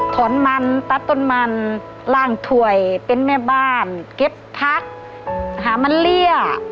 ถอนมันตัดต้นมันล่างถ่วยเป็นแม่บ้านเก็บผักหามันเลี่ย